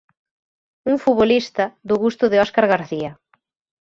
Un futbolista do gusto de Óscar García.